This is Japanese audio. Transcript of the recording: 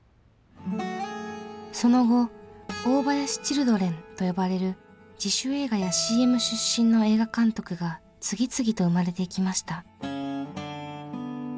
その後「大林チルドレン」と呼ばれる自主映画やＣＭ出身の映画監督が次々と生まれていきました。